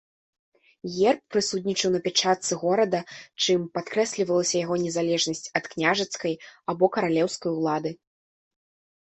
Герб прысутнічаў на пячатцы горада, чым падкрэслівалася яго незалежнасць ад княжацкай або каралеўскай улады.